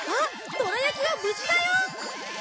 どら焼きは無事だよ！